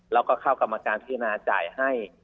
แล้วก็เข้ากรรมการพิจารณาจ่ายให้